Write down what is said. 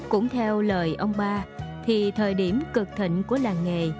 cũng theo lời ông ba thì thời điểm cực thịnh của làng nghề